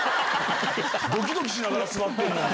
ドキドキしながら座ってんのに。